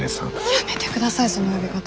やめてくださいその呼び方。